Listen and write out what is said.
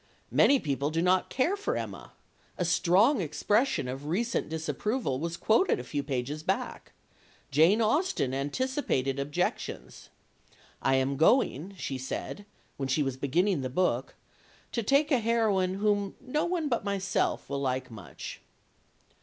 Many people do not care for Emma. A strong expression of recent disapproval was quoted a few pages back. Jane Austen anticipated objections. "I am going," she said, when she was beginning the book, "to take a heroine whom no one but myself will much like."